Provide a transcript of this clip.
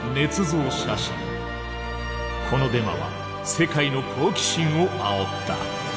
このデマは世界の好奇心をあおった。